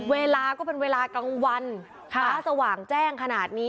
เวลาก็เป็นเวลากลางวันฟ้าสว่างแจ้งขนาดนี้